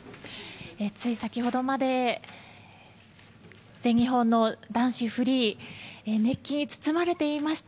つい先ほどまで全日本の男子フリー熱気に包まれていました。